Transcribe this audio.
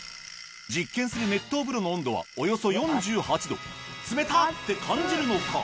実験する熱湯風呂の温度はおよそ４８℃冷た！って感じるのか？